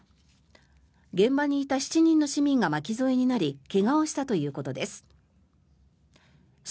現場にいた７人の市民が巻き添えになり怪我をしたということです。